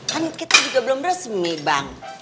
kan kita juga belum resmi bank